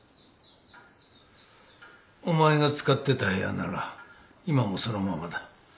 お前が使ってた部屋なら今もそのままだ。